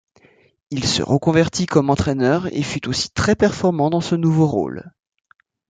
Il se reconvertit comme entraîneur et fut aussi très performant dans ce nouveau rôle.